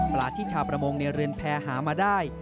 ที่ชาวประมงในเรือนแพรหามาได้